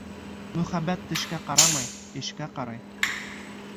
Мөхәббәт тешкә ҡарамай, эшкә ҡарай.